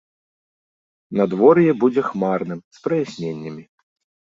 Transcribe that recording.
Надвор'е будзе хмарным з праясненнямі.